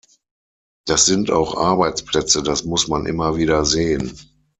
Das sind auch Arbeitsplätze, das muss man immer wieder sehen.